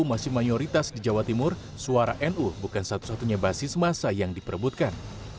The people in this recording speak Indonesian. masih mayoritas di jawa timur suara nu bukan satu satunya basis masa yang diperebutkan